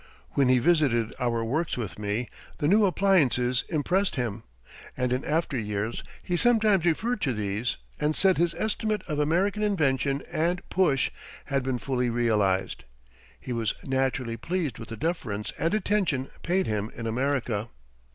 When he visited our works with me the new appliances impressed him, and in after years he sometimes referred to these and said his estimate of American invention and push had been fully realized. He was naturally pleased with the deference and attention paid him in America.